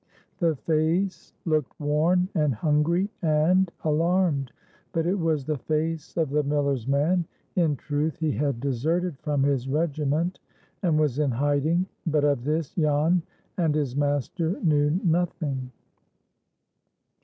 The face looked worn and hungry, and alarmed; but it was the face of the miller's man. In truth, he had deserted from his regiment, and was in hiding; but of this Jan and his master knew nothing.